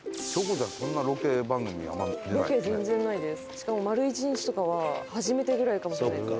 しかも丸一日とかは初めてぐらいかもしれないです。